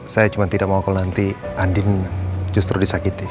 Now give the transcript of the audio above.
saya cuma tidak mau kalau nanti andin justru disakiti